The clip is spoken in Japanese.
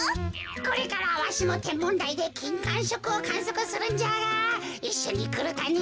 これからわしのてんもんだいできんかんしょくをかんそくするんじゃがいっしょにくるかね？